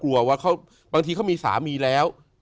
กลัวว่าบางทีเขามีสามีแล้ว